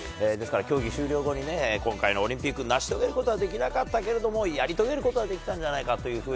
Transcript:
ですから、競技終了後に今回のオリンピック成し遂げることはできなかったけれどもやり遂げることはできたんじゃないかと。